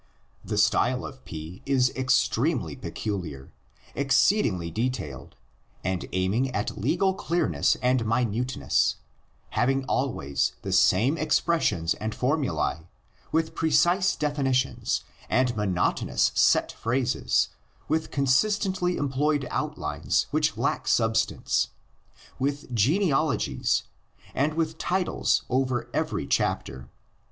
The style of P is extremely peculiar, exceedingly detailed and aiming at legal clearness and minute ness, having always the same expressions and for mulae, with precise definitions and monotonous set phrases with consistently employed outlines which 145 146 THE LEGENDS OF GENESIS. lack substance, with genealogies and with titles over every chapter.